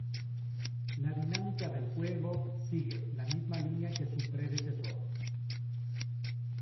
La dinámica del juego sigue la misma línea que su predecesor.